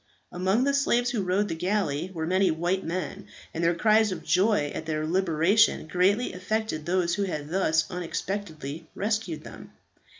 Among the slaves who rowed the galley were many white men, and their cries of joy at their liberation greatly affected those who had thus unexpectedly rescued them.